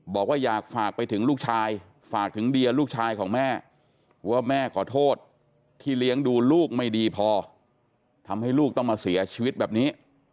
บอกว่าอยากฝากไปถึงลูกชายฝากถึงเดียลูกชายของแม่ว่าแม่ขอโทษที่เลี้ยงดูลูกไม่ดีพอทำให้ลูกต้องมาเสียชีวิตแบบนี้